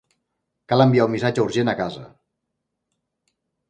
Cal enviar un missatge urgent a casa!